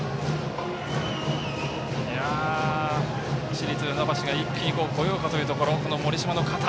市立船橋が一気に来ようかというところですが盛島の肩。